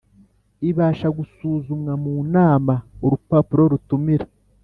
ibasha gusuzumwa mu nama Urupapuro rutumira